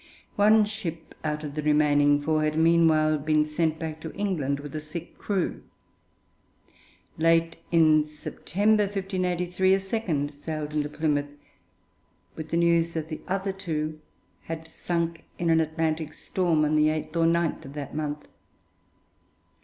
One ship out of the remaining four had meanwhile been sent back to England with a sick crew. Late in September 1583 a second sailed into Plymouth with the news that the other two had sunk in an Atlantic storm on the 8th or 9th of that month.